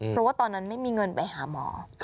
เพราะว่าตอนนั้นไม่มีเงินไปหาหมอ